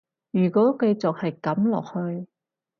如果繼續係噉落去